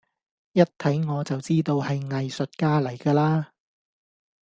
一睇我就知道係藝術家嚟㗎啦